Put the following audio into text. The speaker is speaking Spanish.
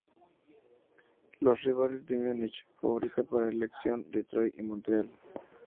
Los rivales eran Múnich —favorita para la elección—, Detroit y Montreal.